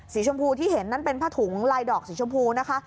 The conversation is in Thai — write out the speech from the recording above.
ชมพูที่เห็นนั้นเป็นผ้าถุงลายดอกสีชมพูนะคะ